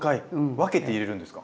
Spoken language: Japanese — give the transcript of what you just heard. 分けて入れるんですか？